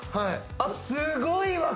あっすごいわ！